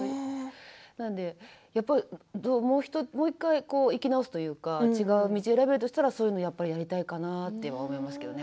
なのでもう１回生き直すというか違う道を選べるとしたらやっぱりそういうのをやりたいかなと思いますけれどもね。